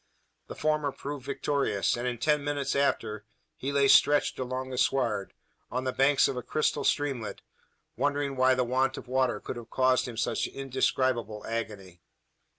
The former proved victorious; and, in ten minutes after, he lay stretched along the sward, on the banks of a crystal streamlet wondering why the want of water could have caused him such indescribable agony!